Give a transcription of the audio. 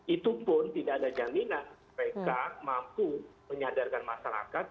itu pun tidak ada jaminan mereka mampu menyadarkan masyarakat